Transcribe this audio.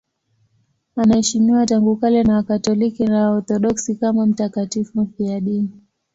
Anaheshimiwa tangu kale na Wakatoliki na Waorthodoksi kama mtakatifu mfiadini.